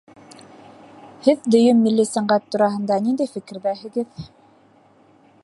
Һеҙ дөйөм милли сәнғәт тураһында ниндәй фекерҙәһегеҙ?